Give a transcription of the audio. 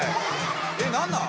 えっ何なん？